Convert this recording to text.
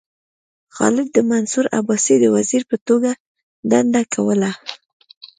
خالد د منصور عباسي د وزیر په توګه دنده کوله.